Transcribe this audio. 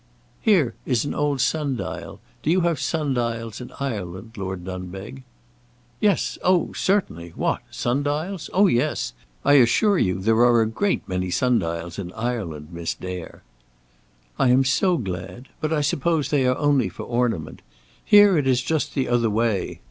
"Here is an old sun dial. Do you have sun dials in Ireland, Lord Dunbeg?" "Yes; oh, certainly! What! sun dials? Oh, yes! I assure you there are a great many sun dials in Ireland, Miss Dare." "I am so glad. But I suppose they are only for ornament. Here it is just the other way.